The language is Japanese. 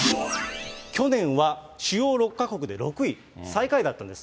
去年は主要６か国で６位、最下位だったんです。